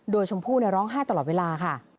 โดยชมพู่ร้องไห้ตลอดเวลาค่ะ